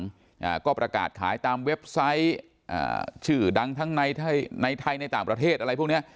อ่าก็ประกาศขายตามเว็บไซต์อ่าชื่อดังทั้งในไทยในไทยในต่างประเทศอะไรพวกเนี้ย